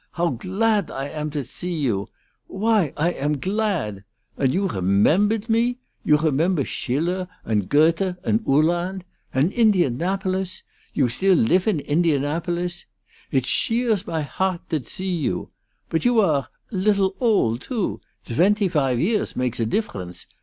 How gladt I am to zee you! Why, I am gladt! And you rememberdt me? You remember Schiller, and Goethe, and Uhland? And Indianapolis? You still lif in Indianapolis? It sheers my hardt to zee you. But you are lidtle oldt, too? Tventy five years makes a difference.